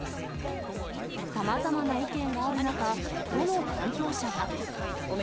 さまざまな意見がある中、都の担当者は。